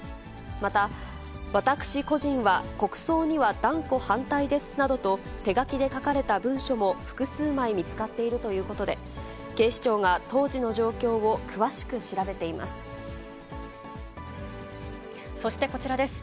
また、私個人は国葬には断固反対ですなどと、手書きで書かれた文書も複数枚見つかっているということで、警視庁が当時の状況を詳しく調べています。